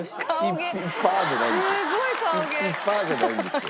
ピッピッパーじゃないんですよ。